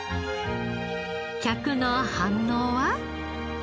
客の反応は？